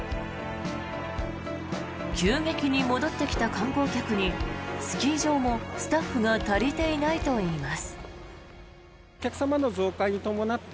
急激に戻ってきた観光客にスキー場もスタッフが足りていないといいます。